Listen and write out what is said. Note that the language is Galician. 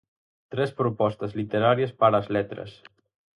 'Tres propostas literarias para as Letras'.